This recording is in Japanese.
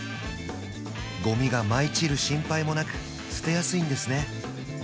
ゴミが舞い散る心配もなく捨てやすいんですね